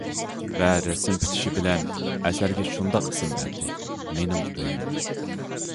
ۋە رەسىم پۈتۈشى بىلەن، ئەسەرگە شۇنداق ئىسىم بەردى:« مېنىڭ ئۆيۈم».